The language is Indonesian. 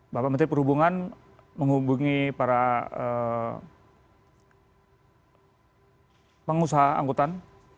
bapak menteri perhubungan menghubungi para pengusaha angkutan